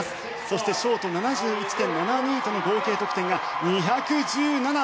そしてショート７１．７２との合計得点が２１７．６１！